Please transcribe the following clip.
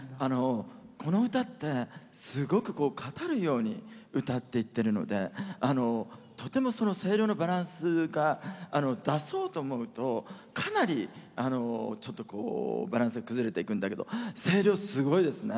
この歌って、すごく語るように歌っていってるのでとても声量のバランスが出そうと思うと、かなりちょっとバランス崩れていくんだけど声量すごいですね。